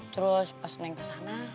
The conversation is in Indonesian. terus pas neng kesana